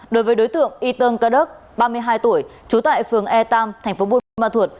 đối với đối tượng y tơn ca đức ba mươi hai tuổi trú tại phường e ba tp bùn ma thuột